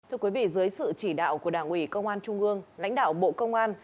thưa quý vị dưới sự chỉ đạo của đảng ủy công an trung ương lãnh đạo bộ công an